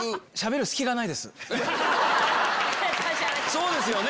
そうですよね。